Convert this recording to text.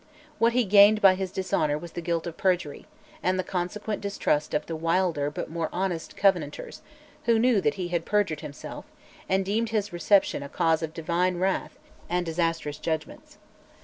What he gained by his dishonour was the guilt of perjury; and the consequent distrust of the wilder but more honest Covenanters, who knew that he had perjured himself, and deemed his reception a cause of divine wrath and disastrous judgments.